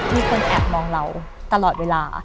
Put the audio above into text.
มีคนแอบมองเราตลอดเวลา